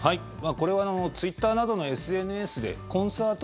これはツイッターなどのＳＮＳでコンサート